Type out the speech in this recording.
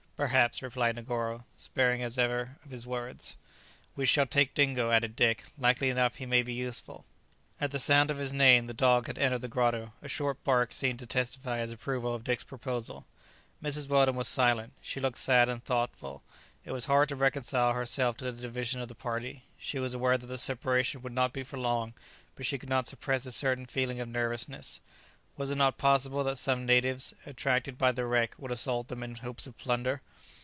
"Perhaps," replied Negoro, sparing as ever of his words. "We shall take Dingo," added Dick; "likely enough he may be useful." At the sound of his name the dog had entered the grotto. A short bark seemed to testify his approval of Dick's proposal. Mrs. Weldon was silent. She looked sad and thoughtful. It was hard to reconcile herself to the division of the party. She was aware that the separation would not be for long, but she could not suppress a certain feeling of nervousness. Was it not possible that some natives, attracted by the wreck, would assault them in hopes of plunder?